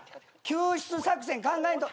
救出作戦考えんと。